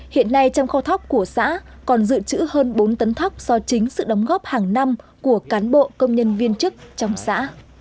hiện nay trong kho thóc của xã còn dự trữ hơn bốn tấn thóc do chính sự đóng góp hàng năm của cán bộ công nhân viên chức trong xã